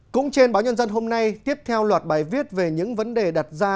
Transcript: cũng trên báo nhân dân hôm nay tiếp theo loạt bài viết về những vấn đề đặt ra